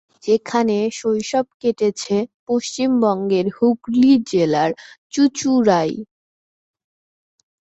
সেখানে শৈশব কেটেছে পশ্চিমবঙ্গের হুগলি জেলার চুচুড়ায়।